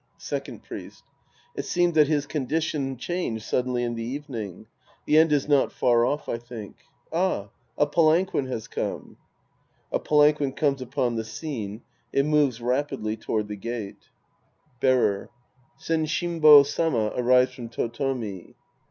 Second Priest. It seems that his condition changed suddenly in the evening. The end is not far off, I think. Ah, a palanquin has come. {^A palanquin comes upon the scene. It moves rapidly ioward the gate.) 236 The Priest and His Disciples Act VI Bearer. SensHmbo Sama arrives from T5tomi.